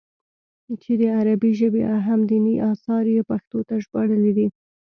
چې د عربي ژبې اهم ديني اثار ئې پښتو ته ژباړلي دي